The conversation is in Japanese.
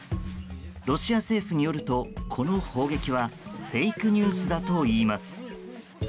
ロシア政府によると、この砲撃はフェイクニュースだといいます。